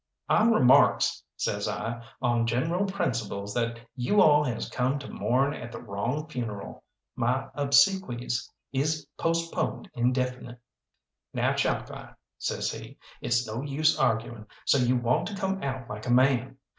"I remarks," says I, "on general principles that you all has come to mourn at the wrong funeral. My obsequies is postponed indefinite." "Now, Chalkeye," says he, "it's no use arguing, so you want to come out like a man.